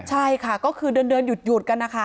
ใช่ค่ะก็คือเดินหยุดกันนะคะ